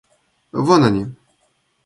Вон они!